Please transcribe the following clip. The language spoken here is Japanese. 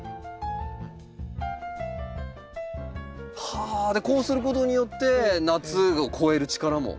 はぁこうすることによって夏を越える力も。